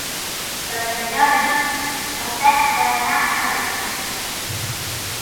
Per Sant Jordi en Pep vol anar a Reus.